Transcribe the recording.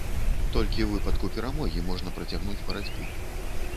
Толькі ў выпадку перамогі можна працягнуць барацьбу.